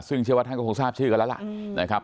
ซึ่งเชื่อว่าท่านก็คงทราบชื่อกันแล้วล่ะนะครับ